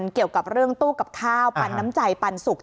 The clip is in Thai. เกี่ยวกับเรื่องตู้กับข้าวปันน้ำใจปันสุก